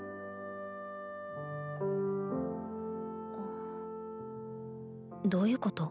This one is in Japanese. あどういうこと？